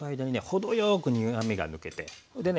程よく苦みが抜けてでね